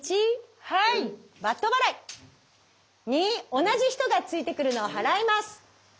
２同じ人が突いてくるのを払います。